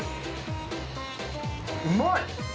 うまい。